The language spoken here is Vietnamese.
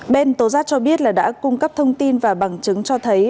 bên tố giác cho biết là đã cung cấp thông tin và bằng chứng cho thấy